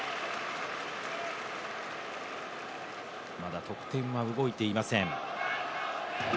まだ得点は動いていません。